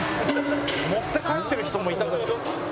持って帰ってる人もいたからな。